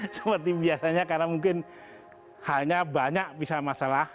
seperti biasanya karena mungkin halnya banyak bisa masalah